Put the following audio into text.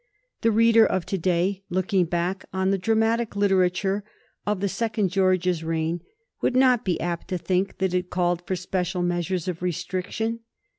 The reader of to day, looking back on the dramatic literature of the second George's reign, would not be apt to think that it called for special measures of restriction.